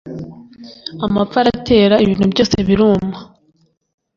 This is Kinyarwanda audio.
amapfa aratera, ibintu byose biruma.